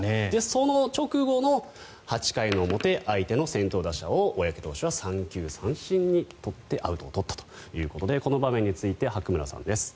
その直後の８回の表相手の先頭打者を小宅投手は三球三振に取ってアウトを取ったということでこの場面について白村さんです。